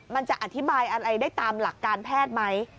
มันจะอธิบายอะไรได้ตามหลักการแพทย์ไหม